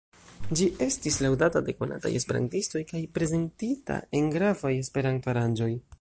Ĝi estis laŭdata de konataj esperantistoj kaj prezentita en gravaj Esperanto-aranĝoj.